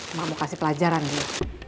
emak mau kasih pelajaran dulu